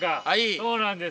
そうなんです。